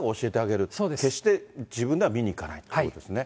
決して自分では見に行かないということですね。